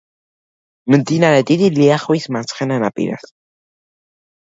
მდინარე დიდი ლიახვის მარცხენა ნაპირას.